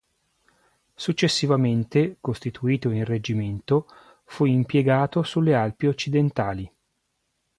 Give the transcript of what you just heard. Successivamente, costituito in reggimento, fu impiegato sulle Alpi Occidentali.